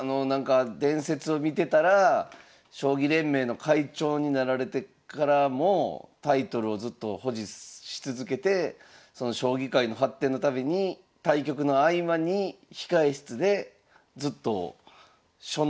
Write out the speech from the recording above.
伝説を見てたら将棋連盟の会長になられてからもタイトルをずっと保持し続けてその将棋界の発展のために対局の合間に控え室でずっと書の揮ごうをされてたっていうね。